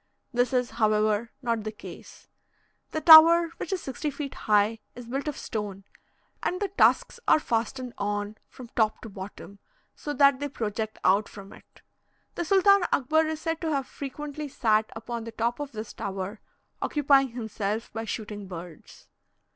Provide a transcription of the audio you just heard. This is, however, not the case; the tower, which is sixty feet high, is built of stone, and the tusks are fastened on from top to bottom, so that they project out from it. The Sultan Akbar is said to have frequently sat upon the top of this tower, occupying himself by shooting birds.